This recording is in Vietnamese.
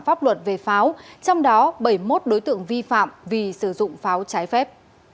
pháp luật về pháo trong đó bảy mươi một đối tượng vi phạm vì sử dụng pháo trái phép